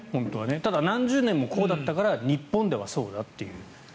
ただ、何十年もこうだったから日本ではそうなんだという。